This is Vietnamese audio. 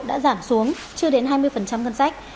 đã giảm xuống chưa đến hai mươi ngân sách